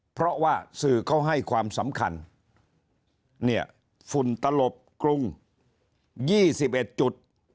เพราะว่าสื่อเขาให้ความสำคัญเนี่ยฝุ่นตลบกรุง๒๑จุด